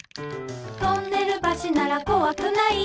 「トンネル橋ならこわくない」